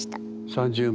３０万？